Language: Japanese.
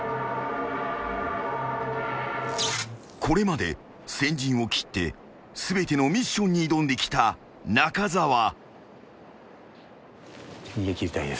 ［これまで先陣を切って全てのミッションに挑んできた中澤］